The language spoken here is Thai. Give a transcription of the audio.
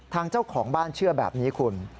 เจ้าของบ้านเชื่อแบบนี้คุณ